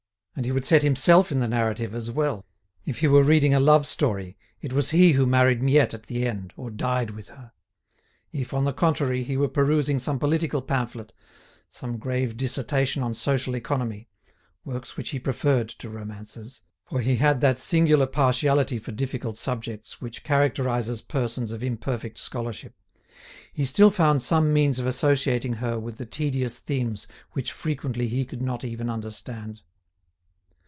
And he would set himself in the narrative as well. If he were reading a love story, it was he who married Miette at the end, or died with her. If, on the contrary, he were perusing some political pamphlet, some grave dissertation on social economy, works which he preferred to romances, for he had that singular partiality for difficult subjects which characterises persons of imperfect scholarship, he still found some means of associating her with the tedious themes which frequently he could not even understand.